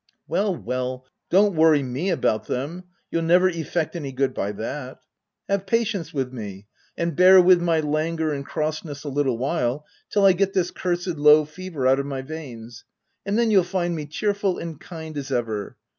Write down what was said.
" Well, well ! don't worry me about them : you'll never effect any good by that. Have patience with me, and bear with my languor and crossness a little while, till I get this cursed low fever out of my veins, and then you'll find me cheerful and kind as ever.